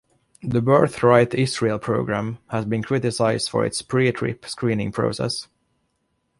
The Birthright Israel program has been criticized for its pre-trip screening process.